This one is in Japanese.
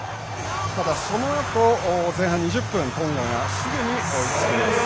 そのあと、前半２０分トンガがすぐに追いつきます。